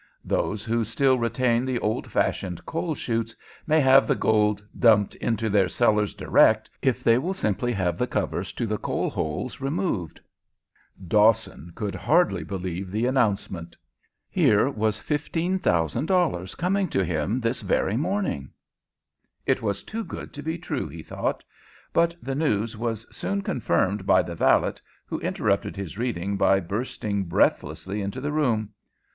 Those who still retain the old fashioned coal chutes can have the gold dumped into their cellars direct if they will simply have the covers to the coal holes removed." Dawson could hardly believe the announcement. Here was $15,000 coming to him this very morning. It was too good to be true, he thought; but the news was soon confirmed by the valet, who interrupted his reading by bursting breathlessly into the room.